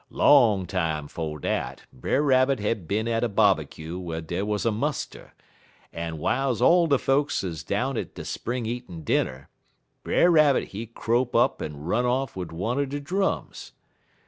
Long time 'fo' dat, Brer Rabbit had been at a bobbycue whar dey was a muster, en w'iles all de folks 'uz down at de spring eatin' dinner, Brer Rabbit he crope up en run off wid one er de drums.